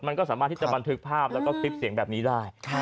มันก็สามารถที่จะบันทึกภาพแล้วก็คลิปเสียงแบบนี้ได้